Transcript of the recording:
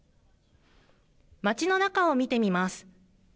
街の中を見てみます。